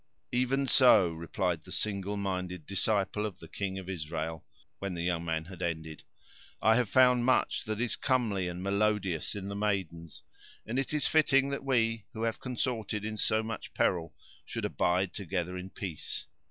"Even so," replied the single minded disciple of the King of Israel, when the young man had ended; "I have found much that is comely and melodious in the maidens, and it is fitting that we who have consorted in so much peril, should abide together in peace.